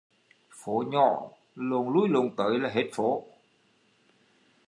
Phố nhỏ, lộn lui lộn tới là hết phố